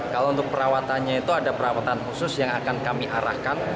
kalau untuk perawatannya itu ada perawatan khusus yang akan kami arahkan